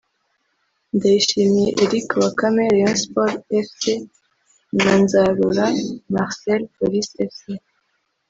Ndayishimiye Eric Bakame (Rayon Sports Fc) na Nzarora Marcel (Police Fc)